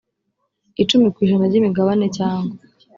icumi ku ijana by imigabane cyangwa